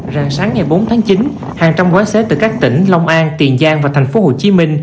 ràng sáng ngày bốn tháng chín hàng trăm quái xế từ các tỉnh long an tiền giang và tp hcm